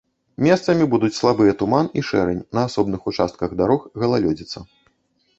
Месцамі будуць слабыя туман і шэрань, на асобных участках дарог галалёдзіца.